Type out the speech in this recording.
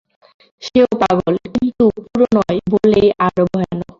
সেও পাগল, কিন্তু পুরো নয় বলেই আরো ভয়ানক।